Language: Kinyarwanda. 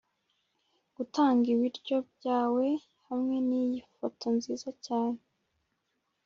gutanga ibiryo byawe hamwe niyi foto nziza cyane.